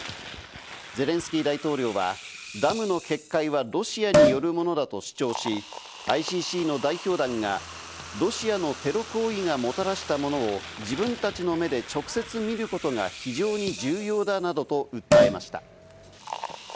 ゼレンスキー大統領は、ダムの決壊はロシアによるものだと主張し、ＩＣＣの代表団が、ロシアのテロ行為がもたらしたものを自分たちの目で直接見ることが非常に重要だなどと訴えました。